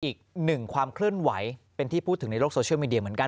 อีกหนึ่งความเคลื่อนไหวเป็นที่พูดถึงในโลกโซเชียลมีเดียเหมือนกัน